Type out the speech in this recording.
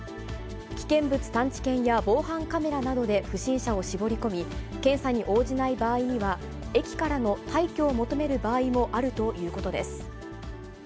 危険物探知犬や防犯カメラなどで不審者を絞り込み、検査に応じない場合には、駅からの退去を求める場合もあるということです。